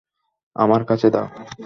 আমার কাছে দাও।